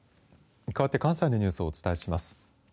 かわって関西のニュースをお伝えします。